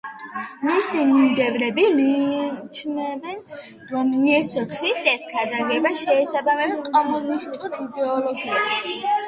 მისი მიმდევრები მიიჩნევენ, რომ იესო ქრისტეს ქადაგება შეესაბამება კომუნისტურ იდეოლოგიას.